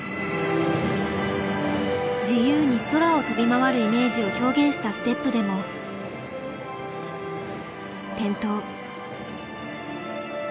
自由に空を飛び回るイメージを表現したステップでも転倒。